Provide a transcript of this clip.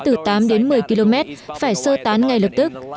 từ tám đến một mươi km phải sơ tán ngay lập tức